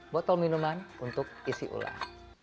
botol minuman untuk isi ulah